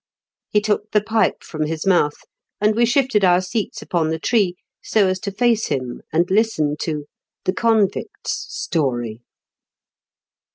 He took the pipe from his mouth, and we shifted our seats upon the tree, so as to face him and listen to THE convict's STORY.